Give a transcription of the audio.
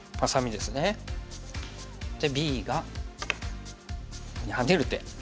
でＢがここにハネる手。